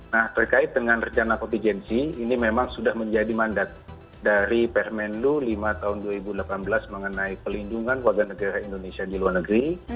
nah terkait dengan rencana kontijensi ini memang sudah menjadi mandat dari permenlu lima tahun dua ribu delapan belas mengenai pelindungan warga negara indonesia di luar negeri